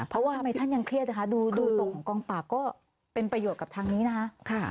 เพราะว่าทำไมท่านยังเครียดนะคะดูส่งของกองปราบก็เป็นประโยชน์กับทางนี้นะคะ